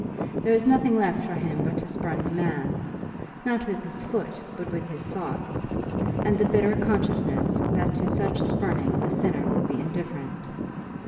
There is nothing left for him but to spurn the man, not with his foot but with his thoughts; and the bitter consciousness that to such spurning the sinner will be indifferent.